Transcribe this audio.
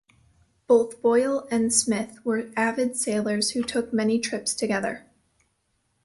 Both Boyle and Smith were avid sailors who took many trips together.